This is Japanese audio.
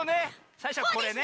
さいしょはこれね。